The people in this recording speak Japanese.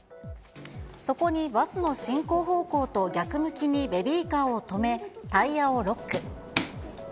そこにバスの進行方向と逆向きにベビーカーをとめ、タイヤをロック。